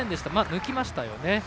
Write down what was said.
抜きましたよね。